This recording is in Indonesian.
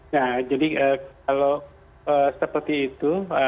nah jadi kalau seperti itu